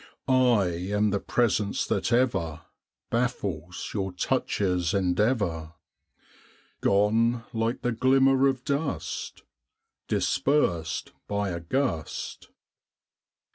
I am the presence that ever Baffles your touch's endeavor, Gone like the glimmer of dust Dispersed by a gust.